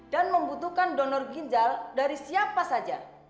dan membutuhkan donor ginjal dari siapa saja